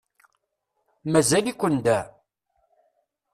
Mazal-iken da?